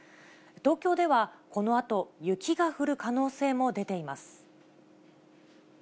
東京では、このあと雪が降る可能性も出ています。